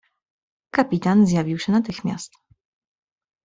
"Kapitan zjawił się natychmiast."